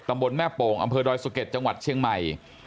ตมบแม่โป่งอำเภอดอยสุเกตจังหวัดเชียงไหม